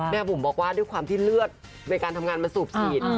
บุ๋มบอกว่าด้วยความที่เลือดในการทำงานมันสูบฉีด